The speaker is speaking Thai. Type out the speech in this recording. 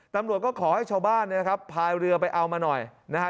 ตำรวจก็ขอให้ชาวบ้านเนี่ยนะครับพายเรือไปเอามาหน่อยนะฮะ